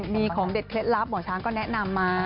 มีของเด็ดเคล็ดลับหมอช้างก็แนะนำมา